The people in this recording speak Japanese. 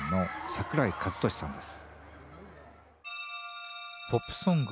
桜井和寿さんです。